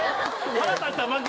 腹立ったら負け。